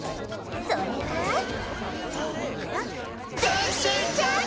それは？せの。